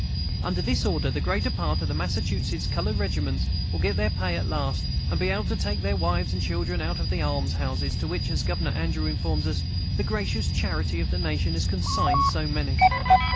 Under this order, the greater part of the Massachusetts colored regiments will get their pay at last and be able to take their wives and children out of the almshouses, to which, as Governor Andrew informs us, the gracious charity of the nation has consigned so many.